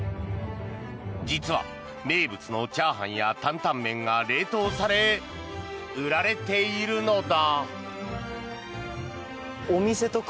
実は名物のチャーハンやタンタンメンが冷凍され、売られているのだ。